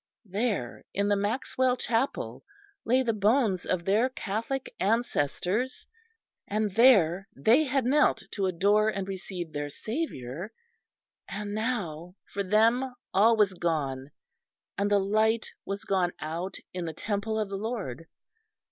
There, in the Maxwell chapel within, lay the bones of their Catholic ancestors; and there they had knelt to adore and receive their Saviour; and now for them all was gone, and the light was gone out in the temple of the Lord.